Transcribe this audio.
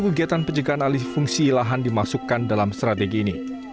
kegiatan penjagaan alih fungsi lahan dimasukkan dalam strategi ini